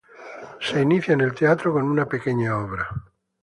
En el teatro inicia con una pequeña obra.